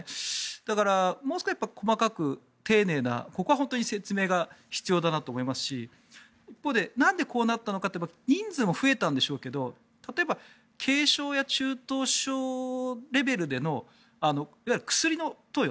だから、もう少し細かく丁寧なここは本当に説明が必要だなと思いますし一方、なんでこうなったのかって人数も増えたんでしょうけど例えば軽症や中等症レベルでのいわゆる薬の投与